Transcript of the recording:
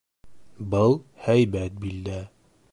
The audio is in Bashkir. Был - һәйбәт билдә.